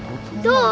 どう？